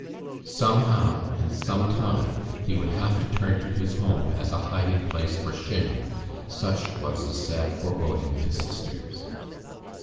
Somehow and sometime, he would have to turn to his home as a hiding place for shame; such was the sad foreboding of his sisters.